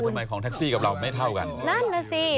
ของแท็กซี่กับเราไม่เท่ากันนั่นน่ะสิ